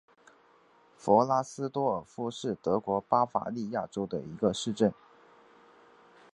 弗拉斯多尔夫是德国巴伐利亚州的一个市镇。